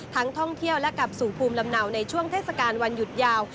ท่องเที่ยวและกลับสู่ภูมิลำเนาในช่วงเทศกาลวันหยุดยาว